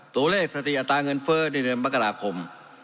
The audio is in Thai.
ตัวเลขสติอัตราเงินเฟ้อในเดือนมกราคม